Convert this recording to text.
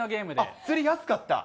釣りやすかった？